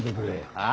ああ？